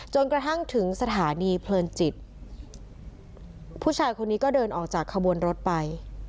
จนกระทั่งถึงสถานีเพลินจิตผู้ชายคนนี้ก็เดินออกจากขบวนรถไป